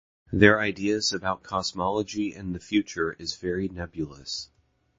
Their ideas about cosmogony and the future is very nebulous.